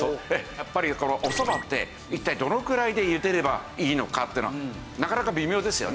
やっぱりおそばって一体どのくらいでゆでればいいのかっていうのはなかなか微妙ですよね。